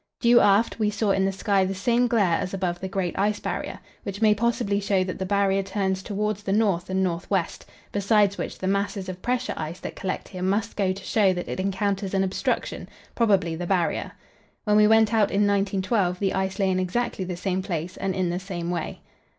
Due aft we saw in the sky the same glare as above the great Ice Barrier, which may possibly show that the Barrier turns towards the north and north west; besides which, the masses of pressure ice that collect here must go to show that it encounters an obstruction, probably the Barrier. When we went out in 1912 the ice lay in exactly the same place and in the same way.